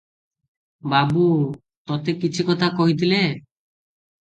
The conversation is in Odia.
ବାବୁ- ତୋତେ କିଛି କଥା କହିଥିଲେ?